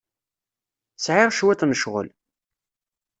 Sɛiɣ cwiṭ n ccɣel.